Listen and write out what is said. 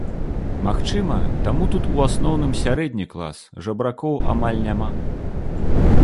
Магчыма, таму тут у асноўным сярэдні клас, жабракоў амаль няма.